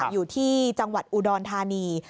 อยู่ที่จังหวัดอุดรธานี